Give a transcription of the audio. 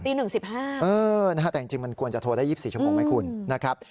๑๑๕นะฮะแต่จริงมันควรจะโทรได้๒๔ชั่วโมงไหมคุณนะครับ